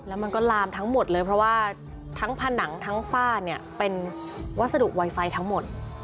แล้วมันก็ลามทั้งหมดเลยเพราะว่าทั้งผนังทั้งฝ้าเนี่ยเป็นวัสดุไวไฟทั้งหมด